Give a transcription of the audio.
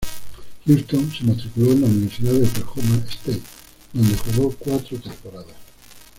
Houston se matriculó en la Universidad de Oklahoma State, donde jugó cuatro temporadas.